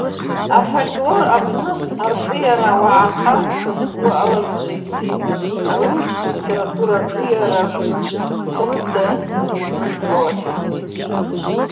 Афольклор апны аршӏыйара ауагӏахъа шабгу алазшва йцитӏ – ауи алитератураршӏыйагӏвчва рыхъвда йыкврымцӏауата.